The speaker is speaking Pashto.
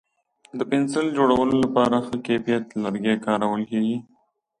د پنسل جوړولو لپاره ښه کیفیت لرګی کارول کېږي.